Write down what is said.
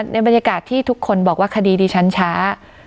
ในบรรยากาศที่ทุกคนบอกว่าคดีดิฉันช้า